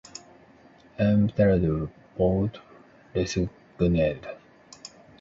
Embittered, Pote resigned.